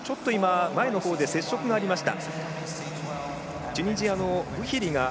前のほうで接触がありました。